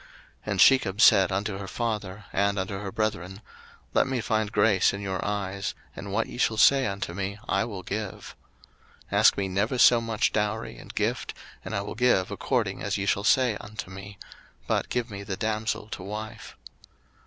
01:034:011 And Shechem said unto her father and unto her brethren, Let me find grace in your eyes, and what ye shall say unto me I will give. 01:034:012 Ask me never so much dowry and gift, and I will give according as ye shall say unto me: but give me the damsel to wife.